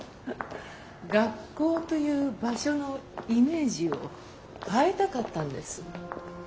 学校という場所のイメージを変えたかったんです。